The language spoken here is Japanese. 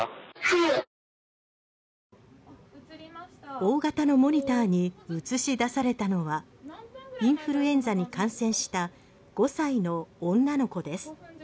大型のモニターに映し出されたのはインフルエンザに感染した５歳の女の子です。